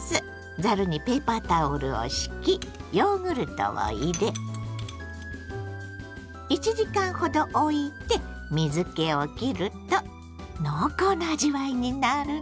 ざるにペーパータオルを敷きヨーグルトを入れ１時間ほどおいて水けをきると濃厚な味わいになるの。